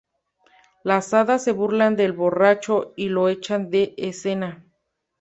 Las hadas se burlan del borracho y lo echan de escena.